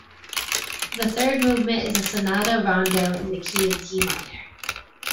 The third movement is a sonata-rondo in the key of D minor.